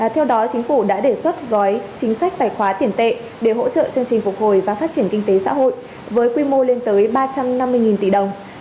theo đó chính phủ đã đề xuất gói chính sách tài khoá tiền tệ để hỗ trợ chương trình phục hồi và phát triển kinh tế xã hội với quy mô lên tới ba trăm năm mươi tỷ đồng